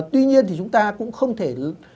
tuy nhiên thì chúng ta cũng không thể